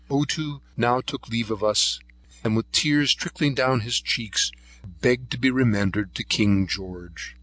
Ottoo now took leave of us; and, with the tears trickling down his cheeks, begged to be remembered to King George.